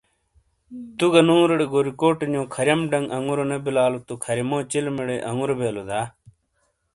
تو گہ نوروٹے گوریکوٹ نیو کھریم ڈنگ انگوروں نے بلالو تو کھریمو چلمٹے آنگورو بیلو دا۔